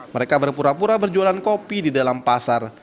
mereka berpura pura berjualan kopi di dalam pasar